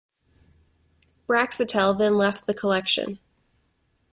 Braxiatel then left the Collection.